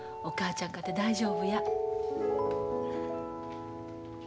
お母ちゃんかて大丈夫や。